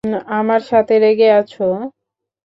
আমার সাথে রেগে আছো?